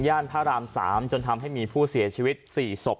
พระราม๓จนทำให้มีผู้เสียชีวิต๔ศพ